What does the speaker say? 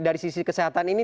dari sisi kesehatan ini